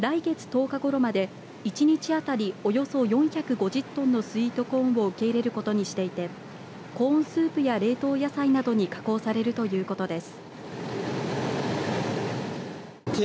この工場では来月１０日ごろまで１日当たりおよそ４５０トンのスイートコーンを受け入れることにしていてコーンスープや冷凍野菜などに加工されるということです